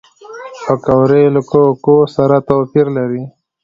پکورې له کوکو سره توپیر لري